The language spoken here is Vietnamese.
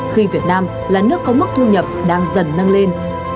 khi việt nam là nước có mức thu nhập đang dần nâng lên